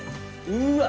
うわ！